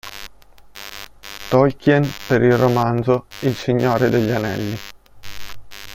Tolkien per il romanzo "Il Signore degli Anelli".